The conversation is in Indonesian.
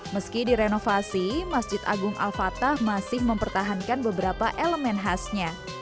meski direnovasi masjid agung al fatah masih mempertahankan beberapa elemen khasnya